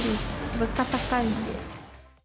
物価高いんで。